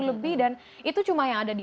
lebih dan itu cuma yang ada di